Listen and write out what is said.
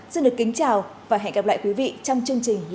xin được kính chào và hẹn gặp lại quý vị trong chương trình anntv